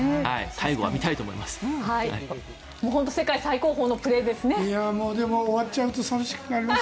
最後は見たいと思います。